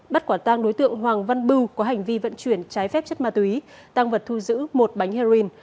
bắt quả tang đối tượng hoàng văn bưu có hành vi vận chuyển trái phép chất ma túy tăng vật thu giữ một bánh heroin